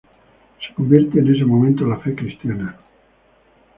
Se convierte en ese momento a la fe cristiana.